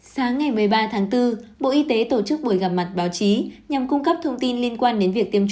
hãy đăng ký kênh để ủng hộ kênh của chúng mình nhé